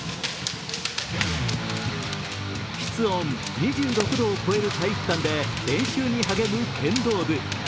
室温２６度を超える体育館で練習に励む剣道部。